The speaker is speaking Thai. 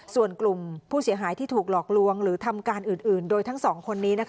ส่วนกลุ่มผู้เสียหายที่ถูกหลอกลวงหรือทำการอื่นโดยทั้งสองคนนี้